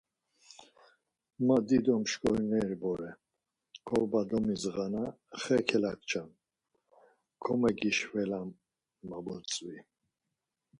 Ma dido mşkorineri bore, korba domidzğana xe kelakçam, komegişvelam ma butzvi.